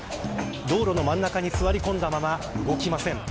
道路の真ん中に座り込んだまま動きません。